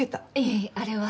いえあれは。